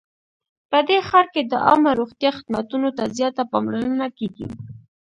په دې ښار کې د عامه روغتیا خدمتونو ته زیاته پاملرنه کیږي